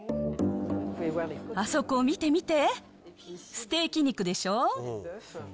あそこ見て見て、ステーキ肉でしょ。